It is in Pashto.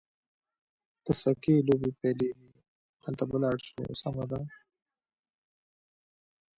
د سکې لوبې پیلېږي، هلته به ولاړ شو، سمه ده.